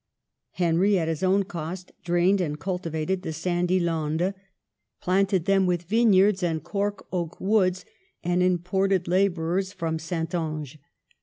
Henry, at his own cost, drained and cultivated the sandy Landes, planted them with vineyards and cork oak woods, and imported laborers from Saintonge.